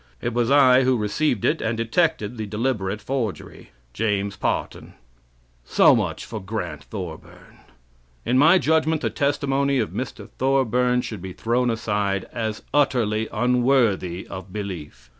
It was I who received it and detected the deliberate forgery..... James Parton" So much for Grant Thorburn. In my judgment, the testimony of Mr. Thorburn should be thrown aside as utterly unworthy of belief.